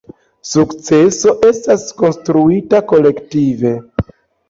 Sukceso estas konstruita kolektive.